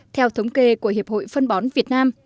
theo thống kê của hiệp hội phân bón việt nam